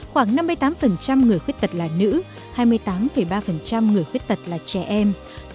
khoảng năm mươi tám người khuyết tật là nữ hai mươi tám ba người khuyết tật là trẻ em